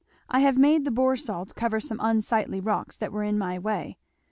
I have made the Boursault cover some unsightly rocks that were in my way.